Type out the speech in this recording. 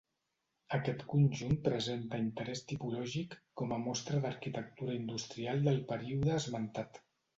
Aquest conjunt presenta interès tipològic com a mostra d'arquitectura industrial del període esmentat.